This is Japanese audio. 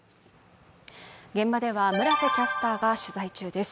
現場では村瀬キャスターが取材中です。